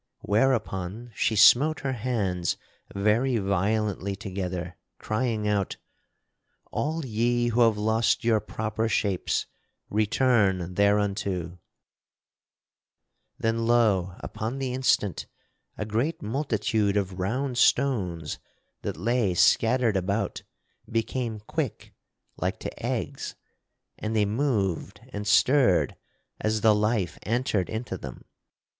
Whereupon she smote her hands very violently together crying out: "All ye who have lost your proper shapes, return thereunto." [Sidenote: The Lady Vivien undoes her enchantment] Then, lo! upon the instant, a great multitude of round stones that lay scattered about became quick, like to eggs; and they moved and stirred as the life entered into them.